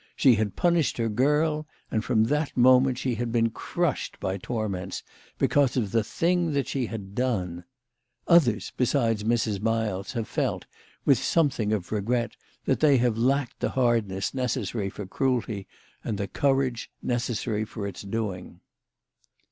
She had pun ished her girl, and from that moment she had been crushed by torments, because of the thing that she had done. Others besides Mrs. Miles have felt, with some thing of regret, that they have lacked the hardness necessary for cruelty and the courage necessary for its doing.